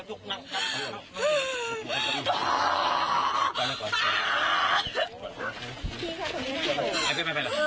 ที่นี่ค่ะตรงนี้ไปไปไปแล้ว